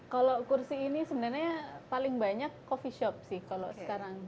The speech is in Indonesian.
kalau kursi ini sebenarnya paling banyak coffee shop sih kalau sekarang